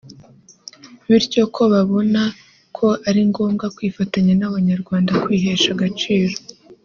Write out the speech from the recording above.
bityo ko babona ko ari ngombwa kwifatanya n’Abanyarwanda kwihesha agaciro